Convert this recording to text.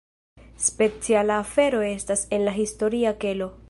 Speciala afero estas en la historia kelo.